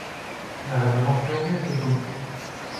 We hebben nog veel meer te doen.